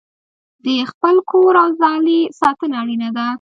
د خپل کور او ځالې ساتنه اړینه ده.